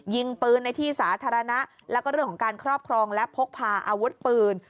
ยิงปืนในที่สาธารณะแล้วก็เรื่องของการครอบครองและพกพาอาวุธปืน